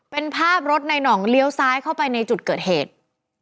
เป็นภาพรถในหน่องเลี้ยวซ้ายเข้าไปในจุดเกิดเหตุ